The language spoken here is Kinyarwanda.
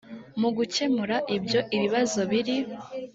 mu gukemura ibyo ibibazo biri